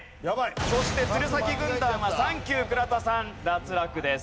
そして鶴崎軍団はさんきゅう倉田さん脱落です。